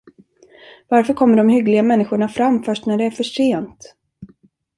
Varför kommer de hyggliga människorna fram först när det är för sent?